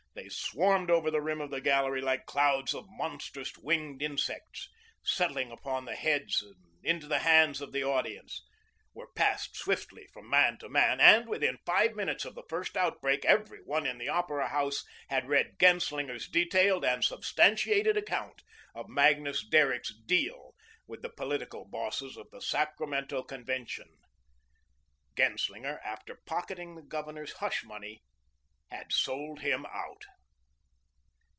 They swarmed over the rim of the gallery like clouds of monstrous, winged insects, settled upon the heads and into the hands of the audience, were passed swiftly from man to man, and within five minutes of the first outbreak every one in the Opera House had read Genslinger's detailed and substantiated account of Magnus Derrick's "deal" with the political bosses of the Sacramento convention. Genslinger, after pocketing the Governor's hush money, had "sold him out."